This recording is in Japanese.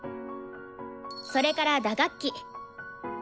それから打楽器。